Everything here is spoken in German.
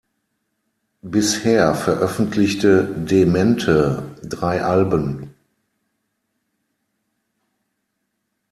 Bisher veröffentlichte D-Mente drei Alben.